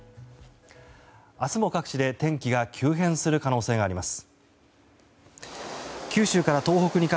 明日も各地で天気が急変する可能性があります。